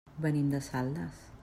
Venim de Saldes.